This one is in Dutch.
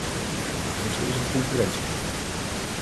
Het eerste is het concurrentiebeleid.